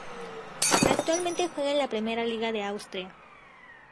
Actualmente juega en la Primera Liga de Austria.